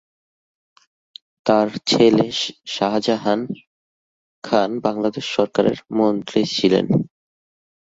তাঁর ছেলে শাহজাহান খান বাংলাদেশ সরকারের মন্ত্রী ছিলেন।